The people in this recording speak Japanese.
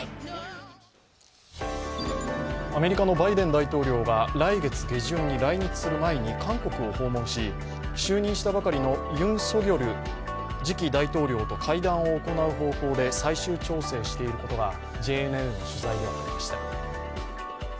アメリカのバイデン大統領が来月下旬に来日する前に韓国を訪問し、就任したばかりのユン・ソギョル次期大統領と会談を行う方向で最終調整していることがＪＮＮの取材で分かりました。